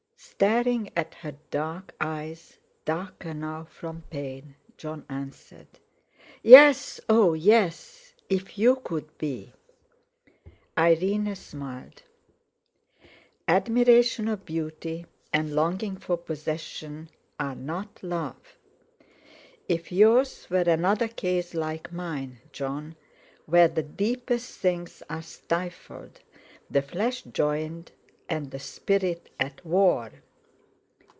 Staring at her dark eyes, darker now from pain, Jon answered "Yes; oh! yes—if you could be." Irene smiled. "Admiration of beauty and longing for possession are not love. If yours were another case like mine, Jon—where the deepest things are stifled; the flesh joined, and the spirit at war!"